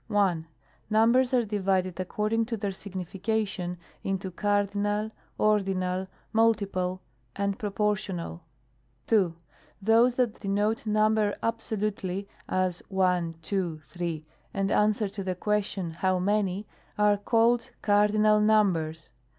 1. Numbers are divided, according to their signifi cation, into cardinal, ordinal, multiple, and propor tional. §31. NUMERALS. 63 2. Those that denote number absolutely, as, 1, 2, 3, and answer to the question, ' how many ?' are called cardinal numbers.